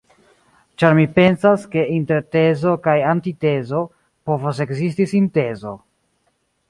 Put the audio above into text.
Ĉar mi pensas, ke inter tezo kaj antitezo povas ekzisti sintezo.